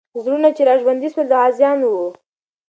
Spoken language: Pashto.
زړونه چې راژوندي سول، د غازیانو وو.